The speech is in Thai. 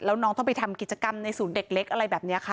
แล้วน้องต้องไปทำกิจกรรมในศูนย์เด็กเล็กอะไรแบบนี้ค่ะ